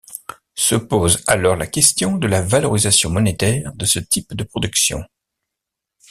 Se pose alors la question de la valorisation monétaire de ce type de production.